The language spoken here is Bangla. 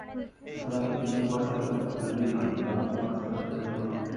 সুতরাং এই তিনটি পরস্পর-বিরোধী নয়, বরং পরস্পরের পরিপূরক।